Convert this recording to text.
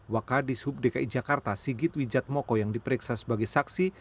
wakadisub dki jakarta sigit wijatmoko yang diperiksa sebagai saksi